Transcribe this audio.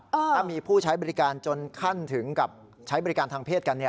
ถ้ามีผู้ใช้บริการจนขั้นถึงกับใช้บริการทางเพศกัน